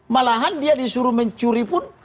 malahan dia disuruh mencuri pun